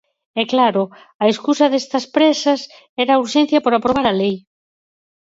E claro, a escusa destas présas era a urxencia por aprobar a lei.